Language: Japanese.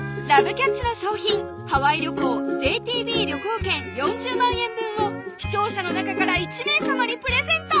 キャッチの賞品ハワイ旅行ＪＴＢ旅行券４０万円分を視聴者の中から１名様にプレゼント！